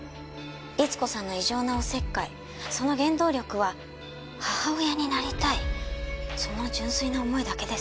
律子さんの異常なお節介その原動力は母親になりたいその純粋な思いだけです。